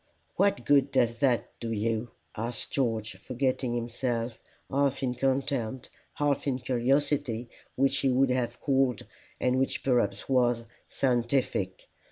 "What good does that do you?" asked George, forgetting himself, half in contempt, half in a curiosity which he would have called, and which perhaps was, scientific.